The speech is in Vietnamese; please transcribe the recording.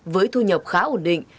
với thu nhập khá ổn định